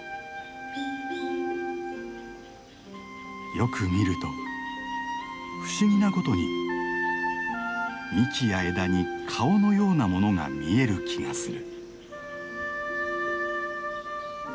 よく見ると不思議なことに幹や枝に顔のようなものが見える気がする。